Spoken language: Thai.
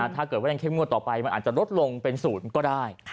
ถ้าเกิดว่ายังเข้มงวดต่อไปมันอาจจะลดลงเป็น๐ก็ได้